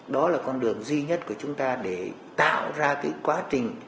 đó là con đường duy nhất của chúng ta để tạo ra cái quá trình